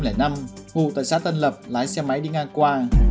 ngủ tại xã tân lập lái xe máy đi ngang qua